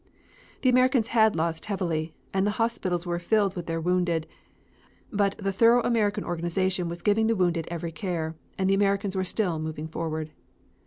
The Americans had lost heavily, and the hospitals were filled with their wounded, but the thorough American organization was giving the wounded every care, and the Americans were still moving forward.